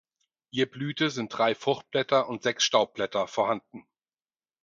Je Blüte sind drei Fruchtblätter und sechs Staubblätter vorhanden.